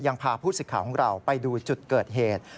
พาผู้สิทธิ์ของเราไปดูจุดเกิดเหตุ